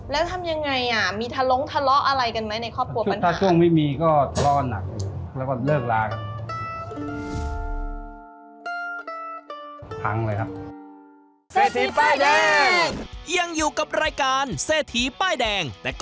แล้วทำยังไงมีทะลงทะเลาะอะไรกันไหมในครอบครัวกัน